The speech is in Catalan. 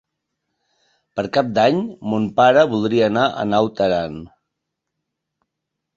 Per Cap d'Any mon pare voldria anar a Naut Aran.